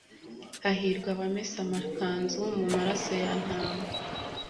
hahirwa abamesa amakanzu mu maraso ya ntama